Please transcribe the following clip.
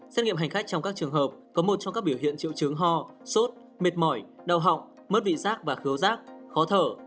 xét nghiệm hành khách trong các trường hợp có một trong các biểu hiện triệu chứng ho sốt mệt mỏi đau họng mất vị giác và khứu rác khó thở